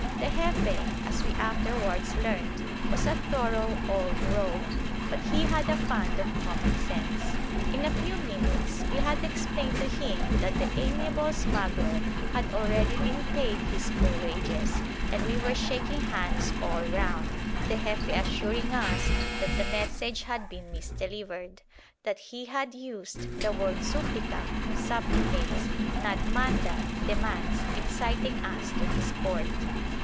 The Jefe, as we afterwards learnt, was a thorough old rogue, but he had a fund of common sense. In a few minutes we had explained to him that the amiable smuggler had already been paid his full wages and we were shaking hands all round, the Jefe assuring us that the message had been misdelivered: that he had used the word supplica (supplicates), not manda (demands), in citing us to his court.